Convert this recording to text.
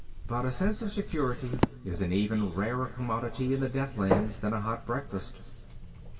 But a sense of security is an even rarer commodity in the Deathlands than a hot breakfast.